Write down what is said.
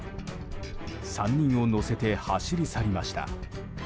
３人を乗せて走り去りました。